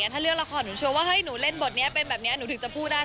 ถ้าเรื่องละครหนูชัวว่าเฮ้ยหนูเล่นบทนี้เป็นแบบนี้หนูถึงจะพูดได้